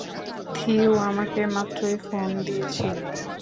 Hugh আমাকে মাত্রই phone দিয়েছিল।